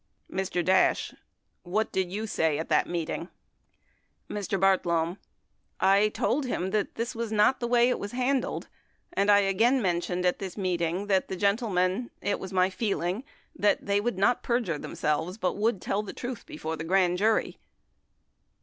Mr. Dash. What did you say at that meeting? 29 13 Hearings 5427 28 . 458 Mr. Bartlome. I told him that this was not the way it was handled, and I again mentioned at this meeting that the gen tlemen — it was my feeling they would not perjure them selves but would tell the truth before the grand jury.